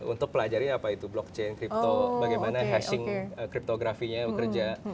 untuk pelajarin apa itu blockchain crypto bagaimana hashing cryptography nya bekerja